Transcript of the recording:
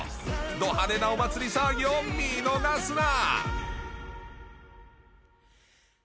ど派手なお祭り騒ぎを見逃すな。